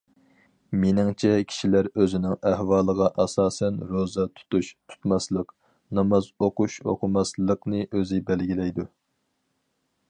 مېنىڭچە كىشىلەر ئۆزىنىڭ ئەھۋالىغا ئاساسەن، روزا تۇتۇش، تۇتماسلىق، ناماز ئوقۇش ئوقۇماسلىقنى ئۆزى بەلگىلەيدۇ.